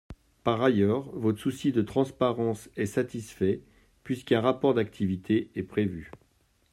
Par ailleurs, votre souci de transparence est satisfait, puisqu’un rapport d’activité est prévu.